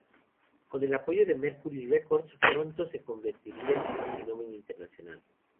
Con el apoyo de Mercury Records, pronto se convertirían en un fenómeno internacional.